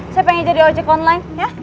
saya pengen jadi ojek online